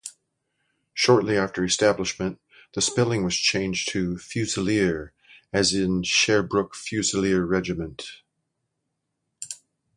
Shortly after establishment, the spelling was changed to "Fusilier", as in Sherbrooke Fusilier Regiment.